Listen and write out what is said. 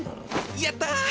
やった！